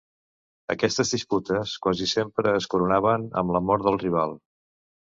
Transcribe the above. Aquestes disputes quasi sempre es coronaven amb la mort del rival.